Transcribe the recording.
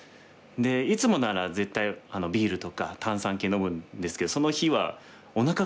いつもなら絶対ビールとか炭酸系飲むんですけどその日は食べ物も食べれなくて。